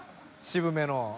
「渋めの」